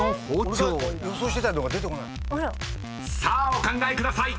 ［さあお考えください］